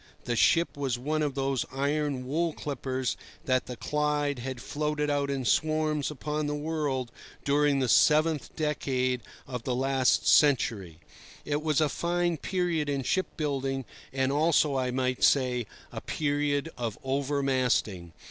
The ship was one of those iron wool clippers that the Clyde had floated out in swarms upon the world during the seventh decade of the last century. It was a fine period in ship building, and also, I might say, a period of over masting.